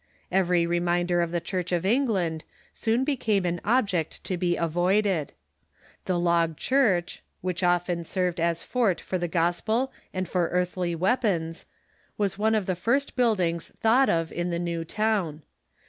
Every reminder of the Church of England soon became an object to be avoided. The log church, which often served as fort for the gospel and for earthly weapons, was one of the first buildings thought of in the new town.